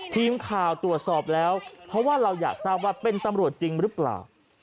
ทีมข่าวตรวจสอบแล้วเพราะว่าเราอยากทราบว่าเป็นตำรวจจริงหรือเปล่า